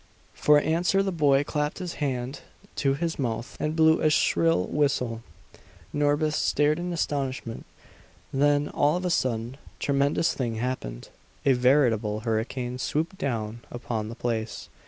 For answer the boy clapped his hand to his mouth and blew a shrill whistle. Norbith stared in astonishment. Then, all of a sudden, a tremendous thing happened. A veritable hurricane swooped down upon the place.